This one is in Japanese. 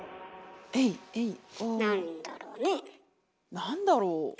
なんだろうね？